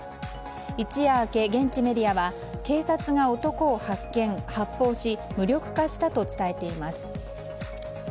一夜明け、現地メディアは警察が男を発見・発砲し無力化したと伝えています。